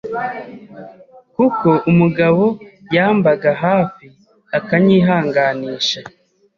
kuko umugabo yambaga hafi akanyihanganisha